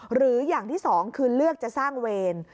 หรืออย่างที่สองคือเลือกจะสร้างเวร